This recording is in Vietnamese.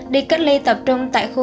đi cách ly tập trung tại khu